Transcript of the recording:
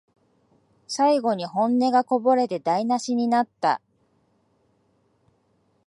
最後に本音がこぼれて台なしになった